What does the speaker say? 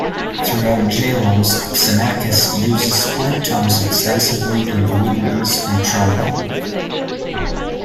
Throughout "Jalons", Xenakis uses split tones extensively in the woodwinds and trombone.